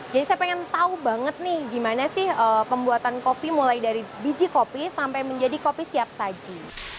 jadi saya pengen tahu banget nih gimana sih pembuatan kopi mulai dari biji kopi sampai menjadi kopi siap saji